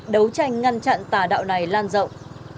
đấu tranh ngăn chặn tà đạo này lan rộng